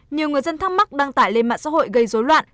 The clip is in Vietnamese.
nhiều người dân thắc mắc đăng tải lên mạng xã hội gây dối loạn